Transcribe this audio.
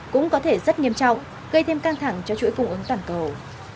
cũng có thể rất nghiêm trọng gây thêm căng thẳng cho chuỗi cung ứng toàn cầu